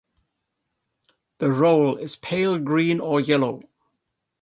The roll is pale green or yellow.